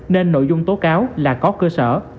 nên nội dung tố cáo là có cơ sở